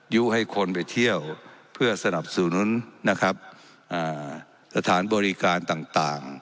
ยุให้คนไปเที่ยวเพื่อสนับสนุนนะครับสถานบริการต่าง